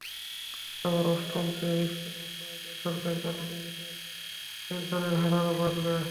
আবার অষ্টম পে–স্কেল বাস্তবায়িত হলে সরকারি চাকরিজীবীদের পেনশনের হার আরও বাড়বে।